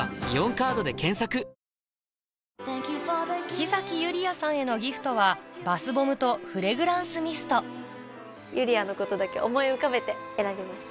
木ゆりあさんへのギフトはバスボムとフレグランスミストゆりあのことだけ思い浮かべて選びました。